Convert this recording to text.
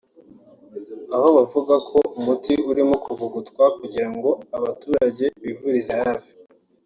aho bavuga ko umuti urimo kuvugutwa kugira ngo abaturage bivurize hafi